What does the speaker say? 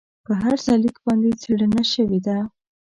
په هر سرلیک باندې څېړنه شوې ده.